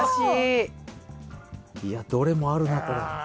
どれもあるなこれ。